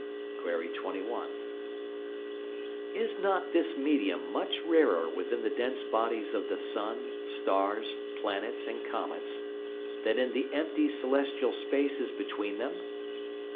Qu. 21. Is not this Medium much rarer within the dense Bodies of the Sun, Stars, Planets and Comets, than in the empty celestial Spaces between them?